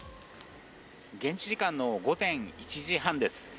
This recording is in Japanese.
現地時間の午前１時半です。